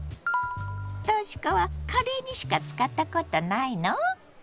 とし子はカレーにしか使ったことないの？